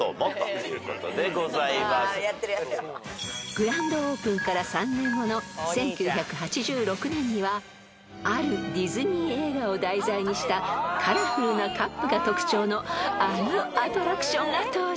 ［グランドオープンから３年後の１９８６年にはあるディズニー映画を題材にしたカラフルなカップが特徴のあのアトラクションが登場］